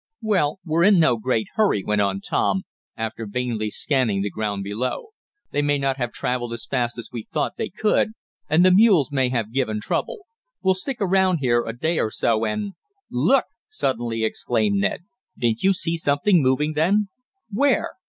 "Well, we're in no great hurry," went on Tom, after vainly scanning the ground below. "They may not have traveled as fast as we thought they could, and the mules may have given trouble. We'll stick around here a day or so, and " "Look!" suddenly exclaimed Ned. "Didn't you see something moving then." "Where?"